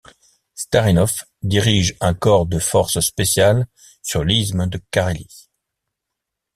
Starinov dirige un corps de forces spéciales sur l'isthme de Carélie.